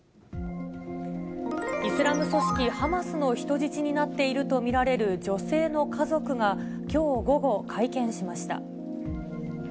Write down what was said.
イスラム組織ハマスの人質になっていると見られる女性の家族が、きょう午後、会見しました。